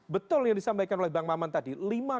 betul yang disampaikan oleh bang maman tadi